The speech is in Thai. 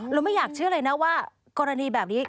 ไม่อยากเชื่อเลยนะว่ากรณีแบบนี้